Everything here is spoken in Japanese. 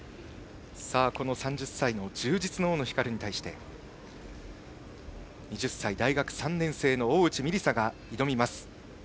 この３０歳充実の大野ひかるに対して２０歳、大学３年生の大内美里沙が挑みます。